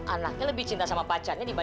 anaknya lebih cinta sama pacarnya